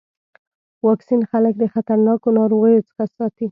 واکسین خلک د خطرناکو ناروغیو څخه ساتي.